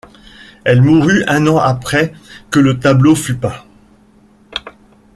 Elle mourut un an après que le tableau fût peint.